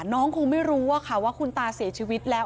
น้องคงไม่รู้ว่าคุณตาเสียชีวิตแล้ว